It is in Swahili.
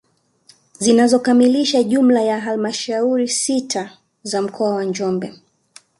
Zinazokamilisha jumla ya halmashauri sita za mkoa wa Njombe